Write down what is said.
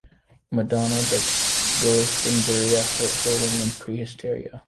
Madonna the "Geosternbergia" hurt her wing in "Prehysteria!